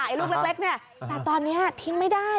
ไอ้ลูกเล็กตอนนี้ทิ้งไม่ได้